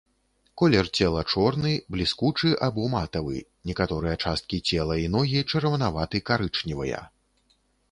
Колер цела чорны, бліскучы або матавы, некаторыя часткі цела і ногі чырванаваты-карычневыя.